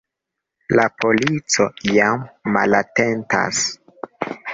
La polico jam malatentas.